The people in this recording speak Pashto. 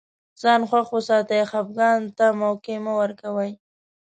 ځان خوښ وساتئ خفګان ته موقع مه ورکوی